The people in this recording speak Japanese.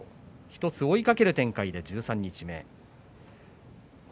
１つ追いかける展開で十三日目。